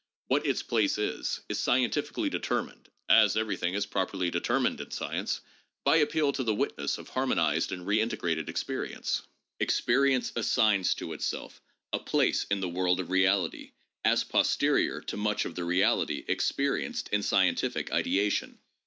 What its place is, is scientifically determined, as everything is properly determined in science, by appeal to the witness of harmonized and redintegrated experience. Experience assigns to itself a place in the world of reality, as pos terior to much of the reality experienced in scientific ideation.